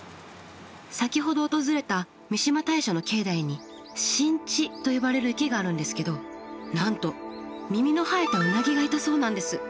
先ほど訪れた三嶋大社の境内に神池と呼ばれる池があるんですけどなんと耳の生えたウナギがいたそうなんです。